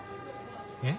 えっ？